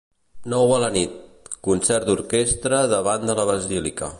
Nou a la nit: concert d'orquestra davant de la basílica.